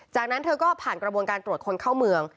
จากนั้นเธอก็ผ่านกระบวนการตรวจคนเข้าเมือง